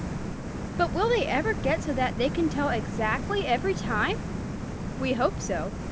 "But will they ever get so that they can tell exactly every time?" "We hope so.